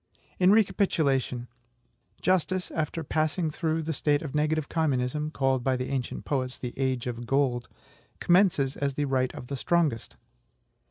In recapitulation: Justice, after passing through the state of negative communism, called by the ancient poets the AGE OF GOLD, commences as the right of the strongest.